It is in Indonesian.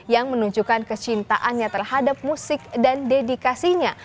yang menunjukkan kecintaannya terhadap musik dan dedikasinya